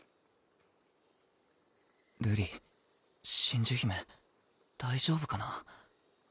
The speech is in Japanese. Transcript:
瑠璃真珠姫大丈夫かな？